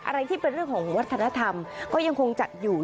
อะไรที่เป็นเรื่องของวัฒนธรรมก็ยังคงจัดอยู่